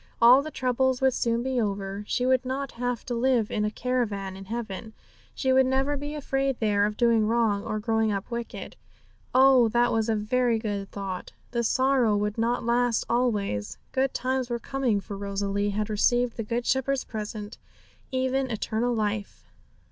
All the troubles would soon be over. She would not have to live in a caravan in heaven; she would never be afraid there of doing wrong, or growing up wicked. Oh, that was a very good thought. The sorrow would not last always; good times were coming, for Rosalie had received the Good Shepherd's present, even eternal life.